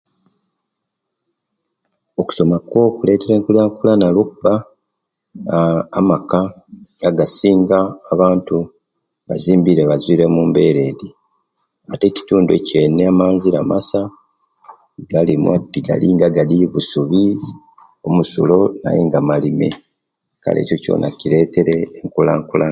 Okusoma kwo kuletere enkulakulana luwokuba amaka agasinga abantu gazimbire gazuire mumbera edi ate ekitundu ekiyendi amanzira masa tigalinga gadi agebisubi omusulo aye nga malime ekyo kyona kuletere enkulankulana